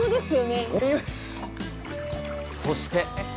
そして。